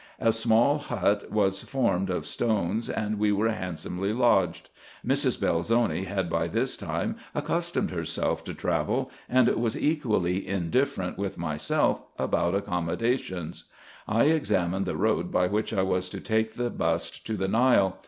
A small hut was formed of stones, and we were handsomely lodged. Mrs. Belzoni had by this time ac customed herself to travel, and was equally indifferent with myself about accommodations. I examined the road by which I was to take the bust to the Nile.